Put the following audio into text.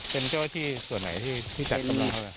เป็นเจ้าที่ส่วนไหนที่จัดการลองเท้า